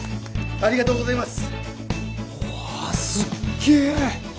ありがとうございます。